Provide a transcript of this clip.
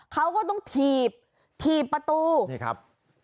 เขาก็ต้องถีบถีบประตูนี่ครับ